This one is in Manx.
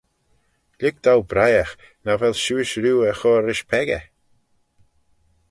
Lhig dou briaght nagh vel shiuish rieau er chur rish peccah?